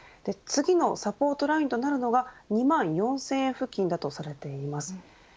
次のサポートラインとなるのが２万４０００円付近とされています。